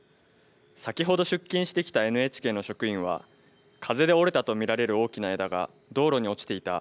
先ほど出勤してきたＮＨＫの職員は風で折れたと見られる大きな枝が道路に落ちていた。